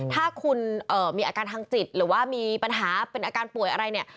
ถ้าคุณมีอาการทางจิตหรือว่ามีปัญหาเป็นอาการป่วยอะไรเนี่ย